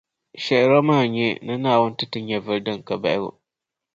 Shɛhira maa n-nyɛ ni Naawuni ti ti nyɛvili din ka bahigu.